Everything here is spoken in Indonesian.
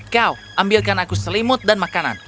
kau ambilkan aku selimut dan makanan